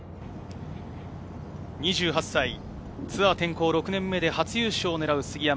２８歳、ツアー転向６年目で初優勝を狙う杉山。